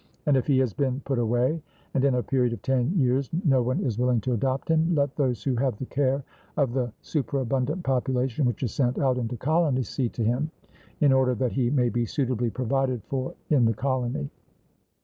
And if he has been put away, and in a period of ten years no one is willing to adopt him, let those who have the care of the superabundant population which is sent out into colonies, see to him, in order that he may be suitably provided for in the colony.